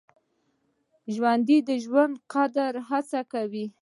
ژوندي د ژوند د قدر هڅه کوي